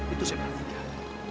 itu saya perhatikan